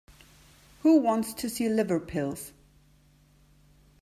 Who wants to see liver pills?